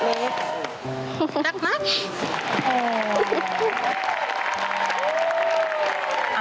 รักมาก